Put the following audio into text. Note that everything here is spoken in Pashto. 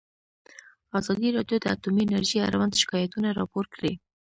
ازادي راډیو د اټومي انرژي اړوند شکایتونه راپور کړي.